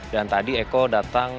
dan tadi eko datang